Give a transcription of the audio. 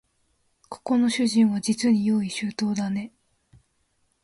ここの主人はじつに用意周到だね